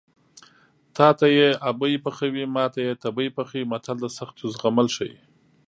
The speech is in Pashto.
تاته یې ابۍ پخوي ماته یې تبۍ پخوي متل د سختیو زغمل ښيي